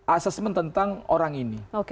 assessment tentang orang ini